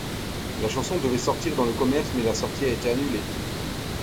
La chanson devait sortir dans le commerce, mais la sortie a été annulée.